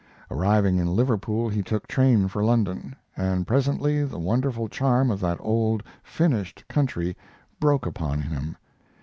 Arriving in Liverpool he took train for London, and presently the wonderful charm of that old, finished country broke upon him.